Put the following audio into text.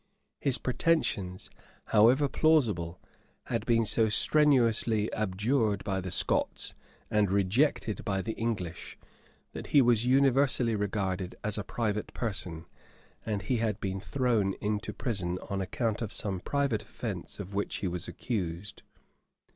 His pretensions, however plausible, had been so strenuously abjured by the Scots and rejected by the English, that he was universally regarded as a private person; and he had been thrown into prison on account of some private offence of which he was accused.